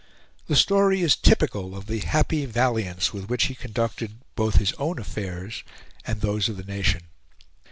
The story, is typical of the happy valiance with which he conducted both his own affairs and those of the nation.